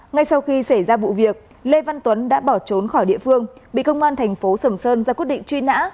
ngay sau khi xảy ra vụ việc lê văn tuấn đã bỏ trốn khỏi địa phương bị công an tp sừng sơn ra quyết định truy nã